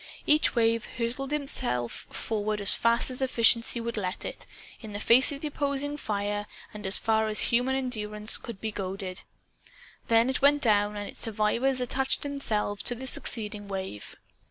Each wave hurled itself forward as fast as efficiency would let it, in face of the opposing fire, and as far as human endurance would be goaded. Then it went down, and its survivors attached themselves to the succeeding wave.